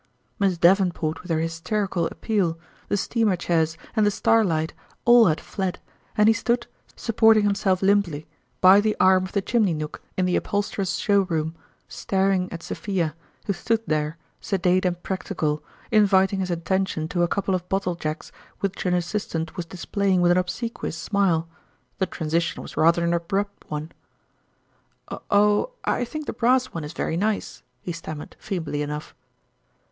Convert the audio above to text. Miss Davenport with her hysterical appeal, the steamer chairs, and the starlight, all had fled, and he stood, supporting himself limply by the arm of the chimney nook in the uphol sterer's showroom, staring at Sophia, who stood there, sedate and practical, inviting his attention to a couple of bottle jacks which an assistant was displaying with an obsequious smile : the transition was rather an abrupt one. 62 ^Tourmalin's ime " Oh, I tliink the brass one is very nice," he stammered, feebly enough.